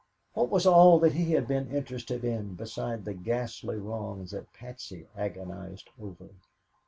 What was all that he had been interested in beside the ghastly wrongs that Patsy agonized over!